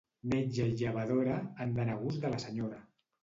Metge i llevadora han d'anar a gust de la senyora.